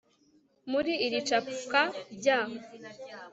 muri iri capwa rya